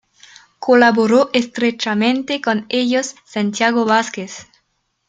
Colaboró estrechamente con ellos Santiago Vázquez.